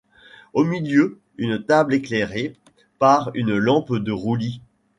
Au milieu, une table éclairée par une lampe de roulis.